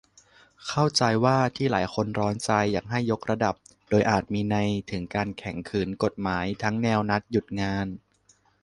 เข้าใจว่าที่หลายคนร้อนใจอยากให้ "ยกระดับ" โดยอาจมีนัยถึงการแข็งขืนกฎหมาย ทั้งแนวนัดหยุดงาน